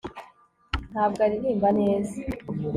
ntabwo aririmba neza